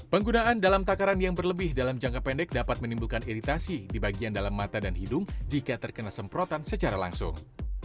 penggunaan dalam takaran yang berlebih dalam jangka pendek dapat menimbulkan iritasi di bagian dalam mata dan hidung jika terkena semprotan secara langsung